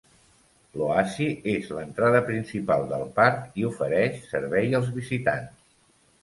L'Oasi és l'entrada principal del parc i ofereix serveis als visitants.